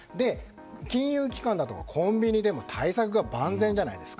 金融機関やコンビニでも対策が万全じゃないですか。